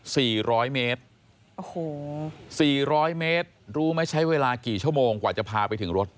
ร้อยเมตรโอ้โหสี่ร้อยเมตรรู้ไหมใช้เวลากี่ชั่วโมงกว่าจะพาไปถึงรถ